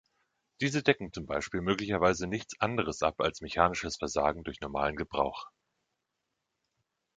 Diese decken zum Beispiel möglicherweise nichts anderes ab als mechanisches Versagen durch normalen Gebrauch.